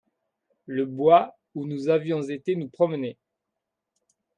le bois où nous avions été nous promener.